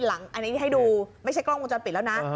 อันนี้ให้ดูไม่ใช่กล้องวงจรปิดแล้วนะ